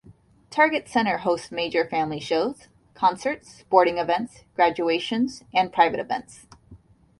Target Center hosts major family shows, concerts, sporting events, graduations and private events.